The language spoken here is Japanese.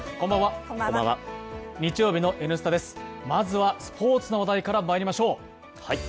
まずはスポーツの話題からまいりましょう。